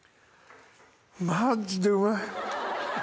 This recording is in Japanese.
マジでうまい。